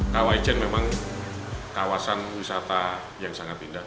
kawaijen memang kawasan wisata yang sangat indah